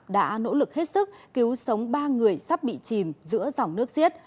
đã nỗ lực hết sức cứu sống ba người sắp bị chìm giữa dòng nước xiết